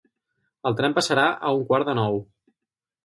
El tren passarà a un quart de nou